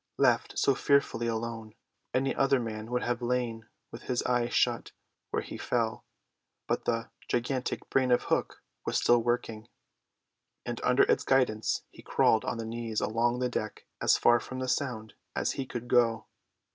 Left so fearfully alone, any other man would have lain with his eyes shut where he fell: but the gigantic brain of Hook was still working, and under its guidance he crawled on the knees along the deck as far from the sound as he could go.